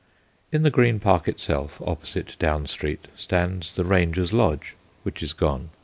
In the Green Park itself, oppo site Down Street, stands the Ranger's Lodge, which is gone.